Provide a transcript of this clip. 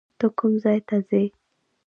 ته کوم ځای ته ځې؟